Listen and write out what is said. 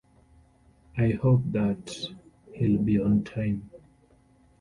I hope "that" he'll be on time".